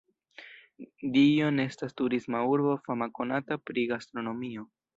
Dijon estas turisma urbo fama konata pri gastronomio.